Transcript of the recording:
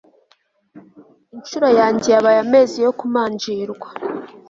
incuro yanjye yabaye amezi yo kumanjirwa